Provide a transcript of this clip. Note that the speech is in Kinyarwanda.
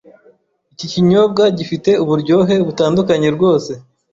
Iki kinyobwa gifite uburyohe butandukanye rwose.